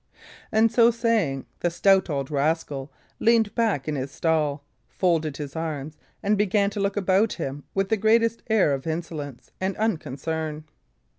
And so saying, the stout old rascal leaned back in his stall, folded his arms, and began to look about him with the greatest air of insolence and unconcern.